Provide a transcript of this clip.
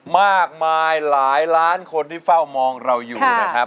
มากมายหลายล้านคนที่เฝ้ามองเราอยู่นะครับ